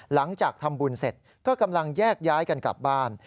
หลังจากทำบุญเสร็จก็กำลังแยกย้ายกันกลับบ้าน